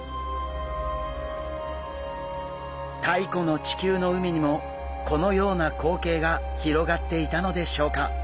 太古の地球の海にもこのような光景が広がっていたのでしょうか。